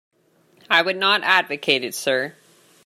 I would not advocate it, sir.